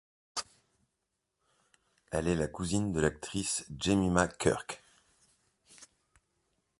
Elle est la cousine de l'actrice Jemima Kirke.